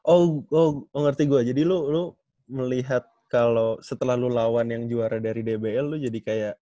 oh oh oh ngerti gue jadi lo lo melihat kalau setelah lo lawan yang juara dari dbl lo jadi kayak